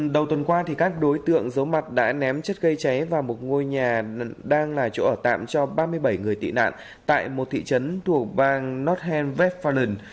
đầu tuần qua các đối tượng giấu mặt đã ném chất cây cháy vào một ngôi nhà đang là chỗ ở tạm cho ba mươi bảy người tị nạn tại một thị trấn thuộc bang nordheim weffelen